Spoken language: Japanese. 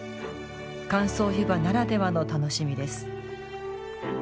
乾燥湯葉ならではの楽しみです。